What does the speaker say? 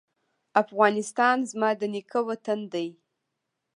افغانستان زما د نیکه وطن دی